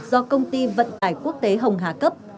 do công ty vận tải quốc tế hồng hà cấp